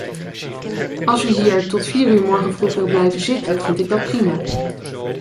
Als u hier tot vier uur morgenvroeg wilt blijven zitten, vind ik dat prima.